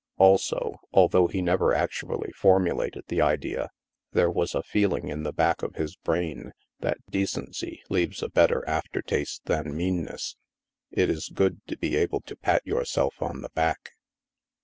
Also, although he never actually formulated the idea, there was a feeling in the back of his brain that decency leaves a better aftertaste than mean ness. It is good to be able to pat yourself on the back.